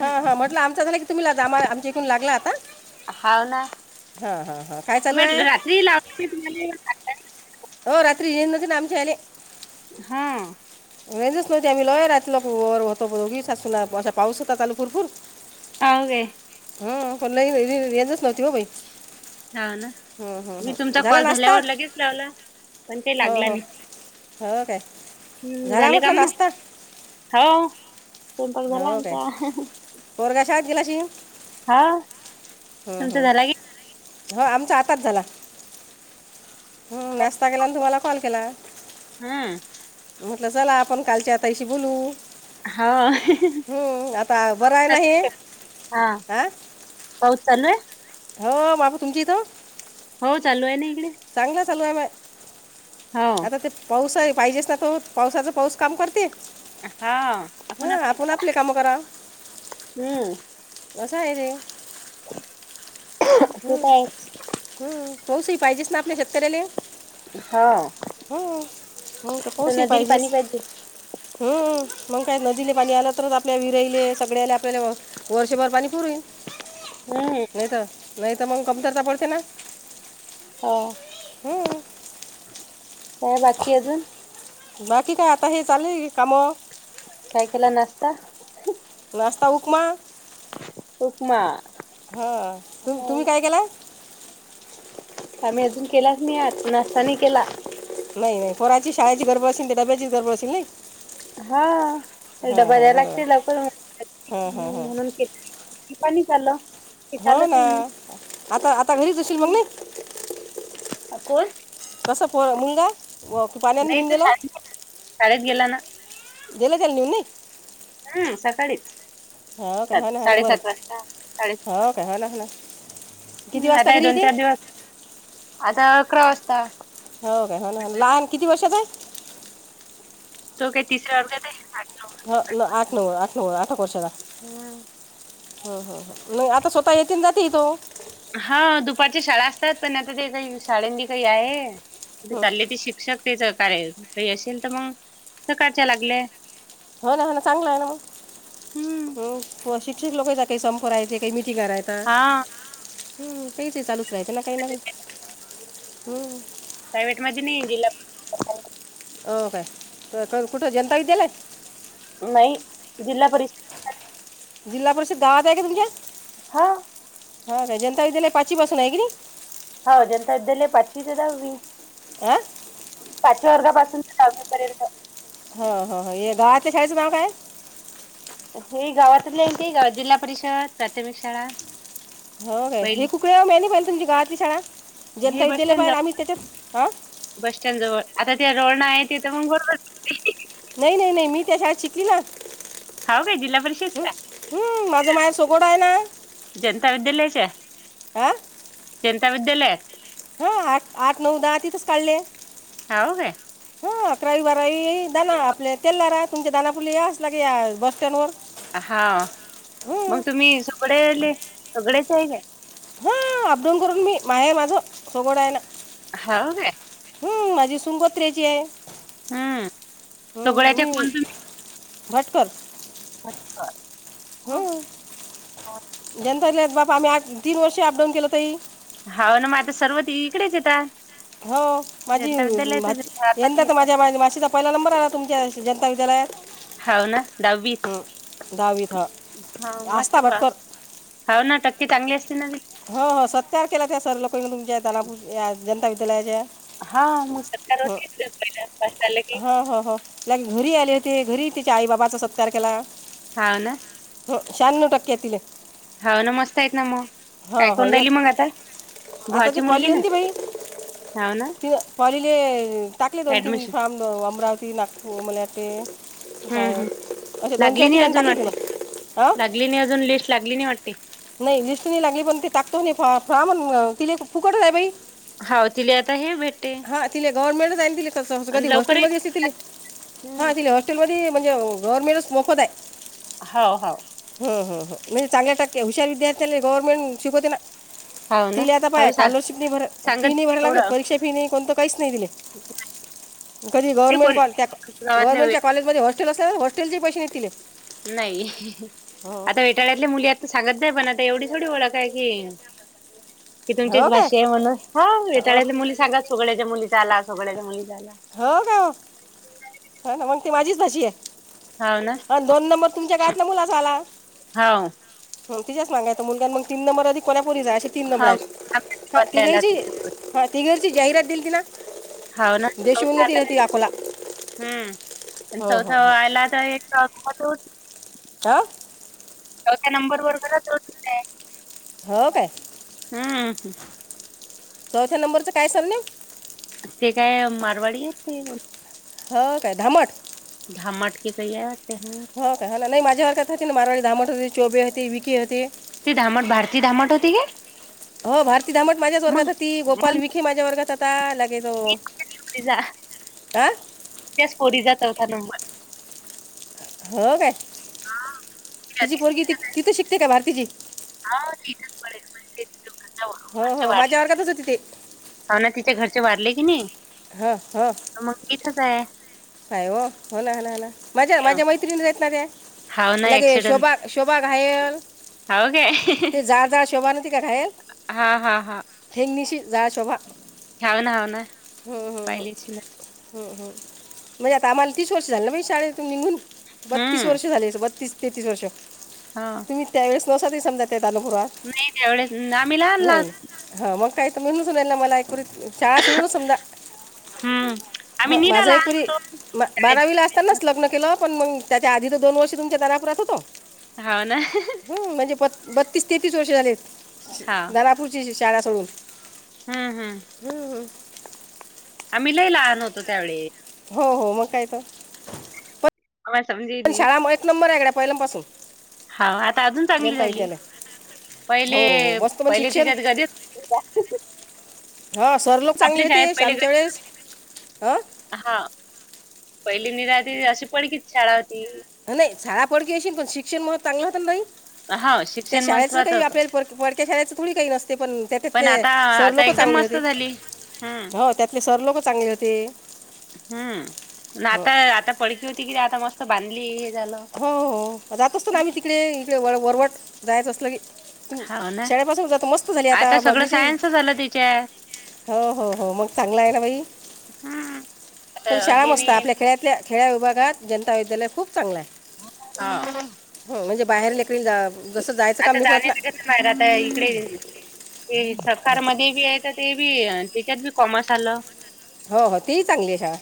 हा हा म्हटलं आमचा झाला क तुम्ही जा आमच्या इकडून लागला आता. हाव ना. हा हा हा काय चालू म्हटलं आहे? [unintelligible] हो रात्री येन ना आमचे आले. हां रेंजच नव्हती आम्ही लोय रात लो वर होतो दोघी साससुना असा पाऊस होता त्याल पुरपूर [unintelligible] गे हम्म कोण लय रेंजच नव्हती ना बाई. हा, ना, हं, हं, मी हं. तुमचा झाला कॉल नाश्ता झाल्यावर लगेच लावला. पण काही हो, लागला हो, नाही हो काय, हम्म झाला झाले म्हटलं काम मग? नास्ता? हो स्वयंपाक झाला हो काय आमचा. पोरग्या शाळेत गेलाशी. हां हम्म हम्म हो आमचा आताच झाला. हम्म नाश्ता केलाने तुम्हाला कॉल केला. म्हटलं चला आपण कालच्या ताईशी बोलू. हाव हम्म आता बरंय ना ही हा हं पाऊस चालू आहे? हो माप तुमची इथं? हो चालू आहे ना इकडे. चांगलं चालू हाय माय, हो. आता ते पाऊस हाय, पाहिजेच ना तो, पावसाचा पाऊस काम करते. हा हा, आपण आपले काम करा. हम्म असा आहे रे. ते हम्म, तर आहेच. हम्म, पाऊसही पाहिजेच ना आपल्या शेतकऱ्याले? हो. हम्, हम्म, तर आता पाऊसही नदीला पाणी पाहिजेच. पाहिजे. हम्म, मग काय नदीले पाणी आलं, तरच आपल्या विहरईले सगळ्याले आपल्याला वर्षभर पाणी पुरेल. हम्म होय ना, नाही तर मग कमतरता पडते ना. हां हम्म. काय बाकी अजून? बाकी काय, आता हे चालुय कामं. काय केला नाश्ता? नास्ता, उपमा. उपमा. हं, तु हो तुम्ही काय केला? आम्ही अजून केलाच नाही आज, नाश्ता नाही केला. नाही नाही पोराची शाळेची गरबड असेल ते डब्याचीच गरबड असेल नाही? हा, हां डबा हां द्यायला बरोबर लागते, लवकर हां हां हां म्हणून पाणीच आलं. हो ना, आता, आता घरीच असशील मग नाही. कोण? कसं पोर मुंगा. नाही तो शाळेत, शाळेत गेला ना? [unintelligible] हम्म, सकाळीच, हो काय सात हो ना हो ना बरं साडेसात वाजता, साडे हो, का, हो, ना, हो, ना किती हम्म, वाजता आता हे घरी दोन येते चार दिवस, आता अकरा वाजता. हो काय, हो ना, लहान किती वर्षाचा हाय? तो काय तिसऱ्या वर्गात हाय? ह, आठ नव्, आठ नव्, आठेक वर्षाचा. हो, हो, नाही आता स्वतः येथेन जाते तो. हा दुपारच्या शाळा असतात पण आता ते काही शाळेंदी काही आहे ते हं. चालले ती शिक्षक. तेच कार्य असेल तर मग सकाळच्या लागले. हो ना हो ना चांगला आहे ना हम्म मग शिक्षित लोकांचा काही [unintelligible] काही मिटींग करायच हां काही ते चालूच राहायचं ना काही ना काही. प्रायव्हेट मध्ये नाही जिल्हा हो काय, कुठं जनता विद्यालय? नाही, जिल्हा परिषद. जिल्हा परिषद गावात आहे का तुमच्या? हां हा काय, जनता विदयालय पाचवीपासून आहे की नाही? हा, जनता विद्यालय पाचवी ते दहावी. आ पाचव्या वर्गापासून तर दहावीपर्यंत. हो, हो, ये गावातल्या शाळेचं नाव काय? हे गावातच आहे, ते जिल्हा परिषद प्राथमिक शाळा. हो काय हे पहिली खुप वेळा मॅने पाहिलं तुमच्या गावातली शाळा, हे जनताही बस दिलं स्टँड पाहिल आम्ही जवळ त्याच्याच हां. बस स्टँड जवळ, आता ते रोड आहे तिथं मग गोडधोड खातील की? नाही, नाही, नाही, मी त्या शाळेत शिकली ना? हाव काय जिल्हा ह् परिषदच्या हम्म माझ माहेर सगोडा आहे ना. जनता विद्यालयच. आं जनता विद्यालय. हा आठ आठ नऊ दहा तिथेच काढले. हव काय. हा अकरावी बारावी धना आपले तेलारा तुमच्या धना फुले असला क या बस स्टँड वर. हा मग तुम्ही सगळे सगळेच आहे का? हां अपडाऊन करून मी माय माझं सोगडं आहे ना. हव काय हम्म माझी सुन गोत्र्याची आहे. हम्म हम्म सगळ्याच्या मी कोण भाटकर भाटकर ह जन बापा आम्ही तीन वर्षे अपडाऊन केलं तही. हाव ना मग आता सर्व त इकडेच येत हो माझी येतात. भाची आता बी यंदा तर येतात. माझ्या माशीचा. पहिला नंबर आला तुमच्या जनता विद्यालयात. हाव ना दहावीत. हं, दहावीत हां हा मस्त प हव ना टक्के चांगली असती ना. हो हो सत्कार केला त्या सर लोक तुमच्या त्यालापूर जनता विद्यालयाच्या. हां म सरकारवरती कष्ट झालं की. ह हो हो त्या घरी आले होते घरी तीच्या आई बाबाचा सत्कार केला. हव ना. हो शहाण्णव टक्के तिले. हव ना मस्त आहेत ना मग. काय हो हो करून राहिली एक मग आता आता भावाची ती मुलगी पॉली ना हाव ना. [unintelligible] ले टाकले दोन तीन ऍडमिशन फार्म अमरावती, नागपूर मन ते हम्म हम्म काय दोन लागली चार नाही ठिकाणी अजून टाकली तीनं वाटते हं. [unintelligible] नाही अजून लिस्ट लागली नाही वाटते? नाही लिस्ट नाही लागली पण ते टाकतो फाॅम ति फुकट आहे बाई. हाव तिले आता हे भेट हा तिला गव्हर्नमेंटच दिसत कधी आणि हॉस्टेल लवकरही मध्ये असे तिले हा हम्म तिले हॉस्टेल मध्ये म्हणजे गव्हर्नमेंटच मोफत आहे. हाव हाव हम्म हम्म म्हणजे चांगल्या टक्के हुशार विद्यार्थ्यांले गव्हर्नमेंट शिकवते ना. हाव ना तिले आता पाह हाव सांग कॉलरशिप नाही भ फी सांगत नाही भराय लागे एवढं परीक्षा फी नाही कोणत काहीच नाही तिले. कधी ते कोण गव्हर्नमेंटॉ गावातल्या वे गवर्नमेंटच्या कॉलेजमध्ये होस्टेल असल्या तर हॉस्टेलचे पैसेे नाही तीले. नाही आता विटाळ्यातले मुली आता सांगत जाय पण आता एवढी थोडी ओळख आहे की. कि तुमचीच हो काय भाची आहे म्हणून हो येेताळ्यातल्या मुली सांगाात सोगळ्याच्या मुलीचा आला सोगळ्याच्या मुलीचा आला. हो काय हो ह ना मग ती माझीच भाची आहे. हाव ना अम् दोन नंबर तुमच्या गावातल्या मुलाचा आला. हाव ह तिज्याच मागायं मुलगा मग तीन नंबर आधी. कोल्हापुरी जा असे तीन नंबर हाव आहेत हा बदलायला तिघाची हा तिघ्याची जाहिरात दिलती ना. हाव ना देशून ती ती [unintelligible] अकोला हम्म आणि हो हो चौथा व हो आला तर एक [unintelligible] हाव त्या नंबर वर करा तोच दिलाय. हो काय. हम्म चौथ्या नंबरचं काय सामने. ते काय मारवाडी आहेत ते. हो काय धामट. धामट की कही आते हे. हो काय ना नाही माझ्या वर्गात होती ना म मारवाडी धामट होती, चोबी ती विकी हो ती धामट भारती धामट होती काय? हो भारती धामट माझ्याच वर्गात मग होती गोपाल मग विखी माझ्या वर्गात होता लागे तो. [unintelligible] पोरीचा चौथा होता नंबर हो काय तिची पोरगी त तिथं शिकते का भारतीची? हा ते [unintelligible] [unintelligible] हो हो माझ्या वर्गातच होती ती. हो ना तिच्या घरचे वारले की नाही. हां हो मग इथंच हाय. काय हो हो ना ह हणा माझ्या माझ्या मैत्रिणीेच आहेत सगळ्या. हाव ना नाही गे एक्सिडेंट. शोभा शोभा घायल. ओके हे जाड जाड शोभा नव्हती काय घायल. हा हा हां हि निशी जाड शोभा. हाव ना हव ना. ह पाहिली अशील. हा हा म्हणजे आता आम्हाला तीस वर्ष झालं ना आम्हाला शाळेतुन निघून. बत्तीस हं, वर्ष झाले बत्तीस तेतीस वर्ष. हां तुम्ही त्यावेळेस नसा ते सजा त्या अलुपुरा. नाही त्यावेळेस आम्ही लहान लहान. हा मग काय तुम्हीन सुन आणला मला एकरी चा सु समजा हं. आम्ही ह निरा माझं लहान एकूरी होतो. शाळेत बारावीला असतानाच लग्न केलं पण मग त्याच्या आधी तर दोन वर्ष तुमच्या दारापुरात होतो. हा ना. य म्हणजे प बत्तीस तेतीस वर्ष झालेत दानापूरची शाळा सोडून. हा हा. हम्म हम्म. आम्ही लई लहान होतो त्यावेळी. हो हो मग काय तर. आम्हाला समजेही पण नाही. शाळा एक नंबर आहे इकडं पहिलमपासून. हा आता अजून चांगली झाली पहिले हो हो हो मस्त म्हणजे पहिले शिक्षण तिच्यात गादी रा [unintelligible] हा सरलं. आपल्या शाळेत पहिले ग हां हा पहिली निराहती अशी पडकीच शाळा होती. नाही शाळा पडकी अशील पण शिक्षण म चांगलं होत ना बाई हा त्या शिक्षण शाळेच महत्त्वाचं काही होतं आपल्याला पडकी पडक त्या शाळेचं कोणी काही नसते पण त्या पण त्यातले आता सर आता लोक एकदम चांगले मस्त होते झाली. हम्म हो त्यातले सर लोक चांगले होती. हम्म म्हणलं आता आता पडकी होती कि आता मस्त बांधली हे झालं. हो हो जात असतो ना आम्ही तिकडे इकडे व वरवट जायचं असल की. हम्म हाव ना शाळेपासून जातो मस्त झाली आता सगळं बाकीजी. सायन्स झालं तिच्यात हो हो हो मग चांगल आहे ना भाई. हम्म. पण आता शाळा हे मस्ताय नाही आपल्या खेळातल्या खेळ्या विभागात जनता विद्यालय खूप चांगलाय. हो हो म्हणजे बाहेर लेकरील जा जस जायचं काम नही होत ना. बार आता इकडे ते सरकार मदि आहेत. ते बी त्याच्यात बी कॉमर्स आलं. हो हो ती चांगली आहे शाळा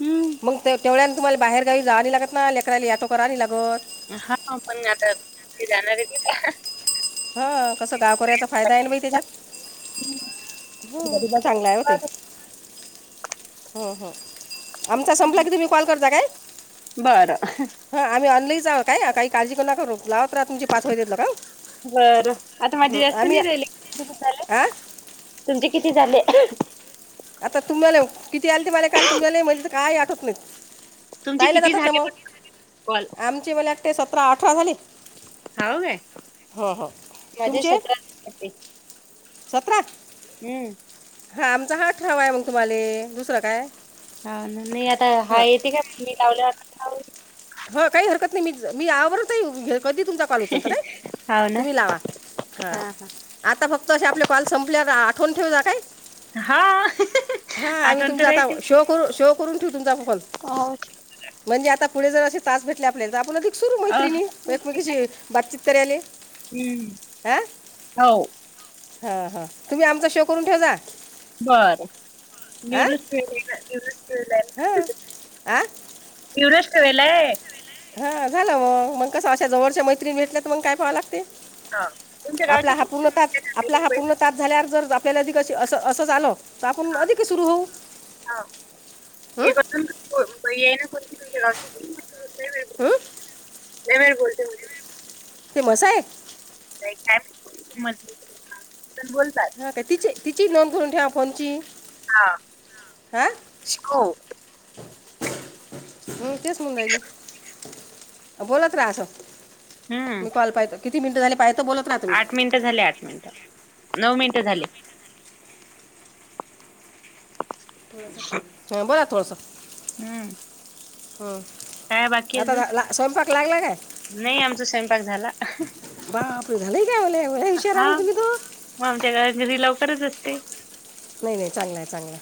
हम्म मग ते तेवढ्यान तुम्हाला बाहेरगावी जावी लागत ना लेकराला याटो करावी नाही लागत. हा पण आता ती जाणार आहे ती. हा कसं गावकोऱ्याचा फायदा आहे ना बाई त्याच्यात हम्म चांगलं आहे ते. हम्म हम्म आमचा संपला कि तुम्ही कॉल करता काय? बरं ह आम्ही आणलही जा काय काही काळजी करून करू लावत रहा तुमजे. बर आता माझी हं, एसटी आम्ही नाही राहिल कुठ दुःखालय? हां तुमचे किती झाले? आता तुम्हाला किती आल्ते मला काल तुम्हाला म्हणजे काय आटत नाहीत. तुमचे पाहिले किती जातात ना झाले पण मग कॉल आमची म्हलागते सतरा आठरा झाली. हाव काय? हा हा माझे तुमचे? सतरा झाले सतरा. हम्म. हा आमचा हा आठरावा आहे मग तुम्हाले दुसरं काय? हा नाही आता हा हां येते का मी लावले आता. ह काही हरकत नाही मी मी आवरते घे कधी तुमचा कॉल केलता काय? हाव ना तुम्ही लावा हं. हा हा. आता फक्त असे आपले कॉल संपल्यावर आठवून ठेव जा काय. हा हा आम्ही आठवण तर तुमचा आता शो करू शो करून ठेवू तुमचा आपण कॉल. का उट. म्हणजे आता पुढे जरासे तास भेटले आपल्याला तर आपूण आधी सुरू अ मैत्रिणी एकमेकीची बातचित कराले हम्म हं. हो. हा हा तुम्ही आमचा शो करून ठेव जा. बर नऊनच फे हा इवनष्ट वलाय हा झालं म मग कसं अशा जवळच्या मैत्रीणीण भेटल्या तर मग काय पाहाव लागते हा तुमच्या आपला गावच्या खूप हापूर्णतात आपला हा पूर्ण तात झाल्यावर जर आपल्यालाधी कशी अस असं झा आल आपण हा अधिक सुरू होऊ हं या नाती तु गाव हं ववेळ बोलते म ते मसायक ॅ म पण बोलतात ह काय तिची तिची नोंद करून ठेवा फोनची हा हा हो हम् तेच म्हणून जाली बोलत राहा असं हम्म मी कॉल पाहतो किती मिनट झाली पाहित बोलत ना तम्ही झा आठ मिनट नऊ मिनिट झाले बर थोडस हम्म हम काय बाकी आता अजून ला स्वयंपाक लागला काय नाही आमचा स्वयंपाक झाला बापर झाले का विषय हा राहु्ही तू मग आमच्या घ घरी लवकरच असते नाही नाही चांगला आहे चांगला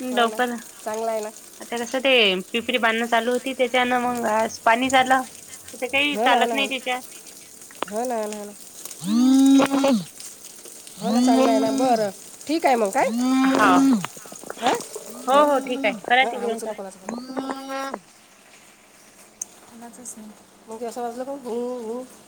ह् हो ना लडवकर चांगला आहे ना आता कसं ते पिपरी बांधणं चालू होती त्याच्यानं मग पाणी झालं तथ काही हो ना हो चालत ना नाही त्याच्या हो ना हो ना हो ना हो ना हम्म हो ना चांगला आहे ना बरं ठीक आहे मग काय हां हो हो ठीक आहे करा हां हां तिकडून उचलू क कोणाचं कोणा हम मग तेीवं वाजलं